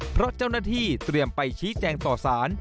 เพราะเจ้าหน้าที่เตรียมไปชี้แจงต่อสาร